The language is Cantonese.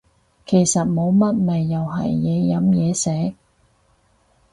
其實冇乜咪又係嘢飲嘢食